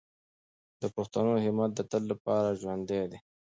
د پښتنو همت د تل لپاره ژوندی دی.